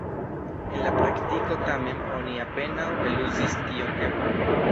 En la praktiko tamen, oni apenaŭ eluzis tiun eblon.